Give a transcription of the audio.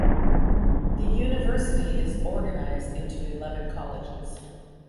The university is organized into eleven colleges.